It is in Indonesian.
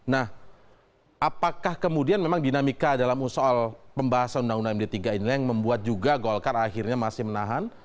nah apakah kemudian memang dinamika dalam soal pembahasan undang undang md tiga inilah yang membuat juga golkar akhirnya masih menahan